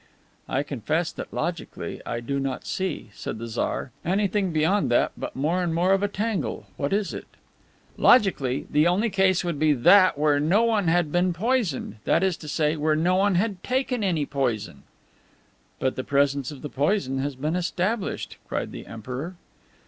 "I confess that, logically, I do not see," said the Tsar, "anything beyond that but more and more of a tangle. What is it?" "Logically, the only case would be that where no one had been poisoned, that is to say, where no one had taken any poison." "But the presence of the poison has been established!" cried the Emperor.